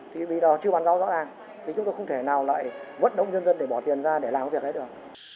thì vì đó chưa bàn rõ rõ ràng thì chúng tôi không thể nào lại vất động dân dân để bỏ tiền ra để làm cái việc đấy được